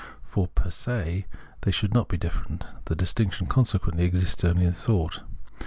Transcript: For per se they should not be different ; the distinction consequently exists only in thought.